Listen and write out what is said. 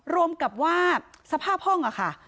รวมกับว่าสภาพห้องค่ะ